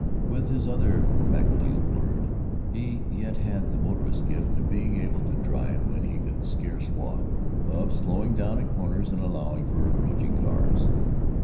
With his other faculties blurred he yet had the motorist's gift of being able to drive when he could scarce walk; of slowing down at corners and allowing for approaching cars.